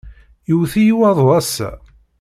Yewwet-iyi waḍu ass-a.